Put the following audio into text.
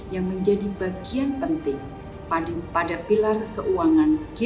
yang menjadi bagian penting pada pilar keuangan g dua puluh